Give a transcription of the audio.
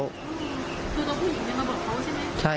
คือน้องผู้หญิงมาบอกเขาใช่ไหม